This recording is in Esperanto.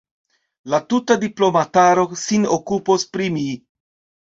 La tuta diplomataro sin okupos pri mi.